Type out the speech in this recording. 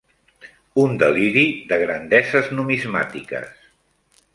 Un deliri de grandeses numismàtiques